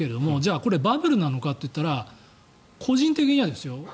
あバブルなのかと言ったら個人的にはですよ